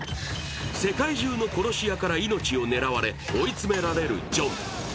世界中の殺し屋から命を狙われ追い詰められるジョン。